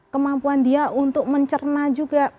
kemampuan dia untuk mencerna juga